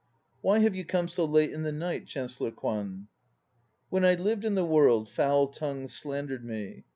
"Why have you come so late in the night, Chancellor Kwan?" "When I lived in the world foul tongues slander d 1 me.